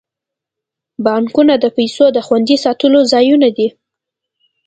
بانکونه د پیسو د خوندي ساتلو ځایونه دي.